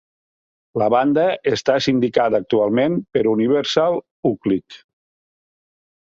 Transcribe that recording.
La banda està sindicada actualment per Universal Uclick.